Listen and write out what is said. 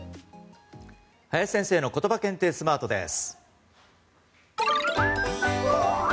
林先生のことば検定スマートです。